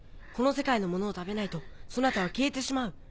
この世界のものを食べないとそなたは消えてしまう。